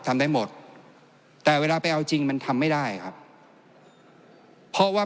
ทำได้หมดแต่เวลาไปเอาจริงมันทำไม่ได้ครับเพราะว่า